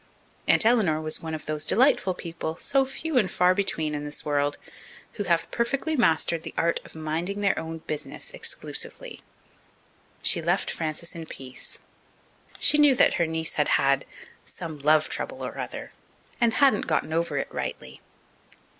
Aunt Eleanor was one of those delightful people, so few and far between in this world, who have perfectly mastered the art of minding their own business exclusively. She left Frances in peace. She knew that her niece had had "some love trouble or other," and hadn't gotten over it rightly.